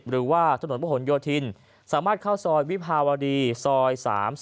หรือว่าถนนพระหลโยธินสามารถเข้าซอยวิภาวดีซอย๓๐